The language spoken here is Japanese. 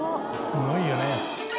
「すごいよね」